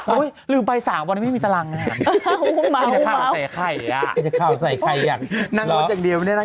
โอ๊ยลืมไป๓วันนี้ไม่มีตารางงาน